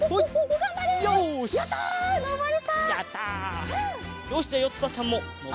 がんばれ！